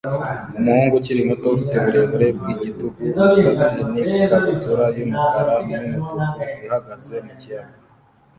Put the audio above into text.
Umuhungu ukiri muto ufite uburebure bwigitugu-umusatsi n ikabutura yumukara numutuku ihagaze mukiyaga